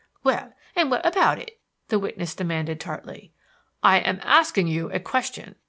"Well, and what about it?" the witness demanded tartly. "I am asking you a question."